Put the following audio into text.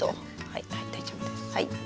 はい大丈夫です。